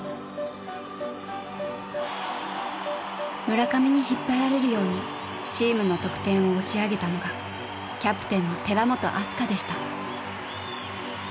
村上に引っ張られるようにチームの得点を押し上げたのがキャプテンの寺本明日香でした。